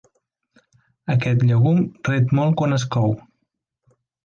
Aquest llegum ret molt quan es cou.